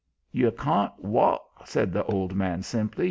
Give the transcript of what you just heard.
"You carn't walk," said the old man simply.